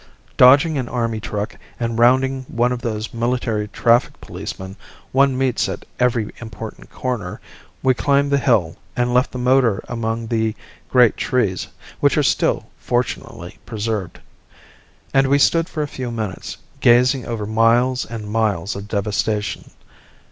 Dodging an army truck and rounding one of those military traffic policemen one meets at every important corner we climbed the hill and left the motor among the great trees, which are still fortunately preserved. And we stood for a few minutes, gazing over miles and miles of devastation.